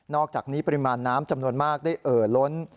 อกจากนี้ปริมาณน้ำจำนวนมากได้เอ่อล้น